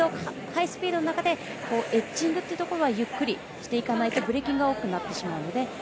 ハイスピードの中でエッジングというところはゆっくりしていかないとブレーキングが多くなるので。